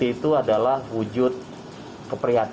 ini adalah barang dagangan yang terdampak ppkm